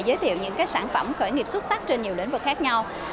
giới thiệu những sản phẩm khởi nghiệp xuất sắc trên nhiều lĩnh vực khác nhau